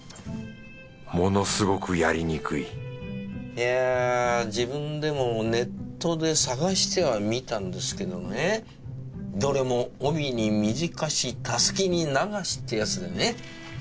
ものすごくやりにくいいや自分でもネットで探してはみたんですけどねどれも帯に短し襷に長しってやつでね